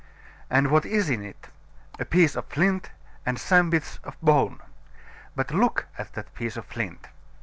And what is in it? A piece of flint and some bits of bone. But look at that piece of flint.